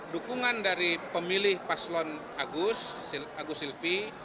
dukungan dari pemilih paslon agus agus silvi